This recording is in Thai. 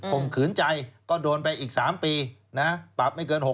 มขืนใจก็โดนไปอีก๓ปีนะปรับไม่เกิน๖๐